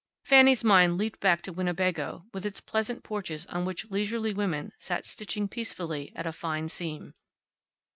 Fanny's mind leaped back to Winnebago, with its pleasant porches on which leisurely women sat stitching peacefully at a fine seam.